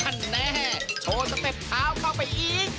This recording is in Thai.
แน่โชว์สเต็ปเท้าเข้าไปอีก